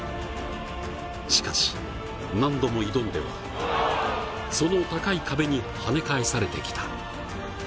しかし、何度も挑んではその高い壁に跳ね返されてきた。